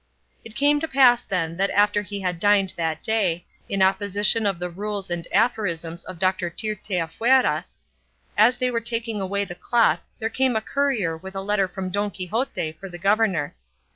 It came to pass, then, that after he had dined that day, in opposition to the rules and aphorisms of Doctor Tirteafuera, as they were taking away the cloth there came a courier with a letter from Don Quixote for the governor.